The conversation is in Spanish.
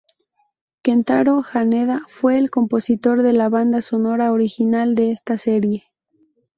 Kentaro Haneda fue el compositor de la banda sonora original de esta serie.